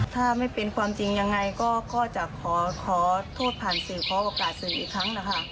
ถ้าไม่เป็นความจริงยังไงก็จะขอโทษผ่านสื่อขอโอกาสสื่ออีกครั้งนะคะ